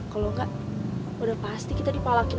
kalo nggak udah pasti kita dipalakin